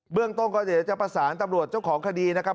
เรื่องต้นก็เดี๋ยวจะประสานตำรวจเจ้าของคดีนะครับ